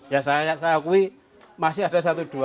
ya saya akui masih ada satu dua